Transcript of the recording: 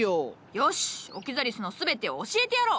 よしオキザリスの全てを教えてやろう。